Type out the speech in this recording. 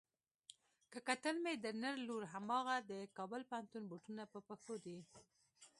که کتل مې د نر لور هماغه د کابل پوهنتون بوټونه په پښو دي.